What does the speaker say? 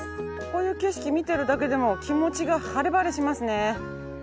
こういう景色見てるだけでも気持ちが晴れ晴れしますね。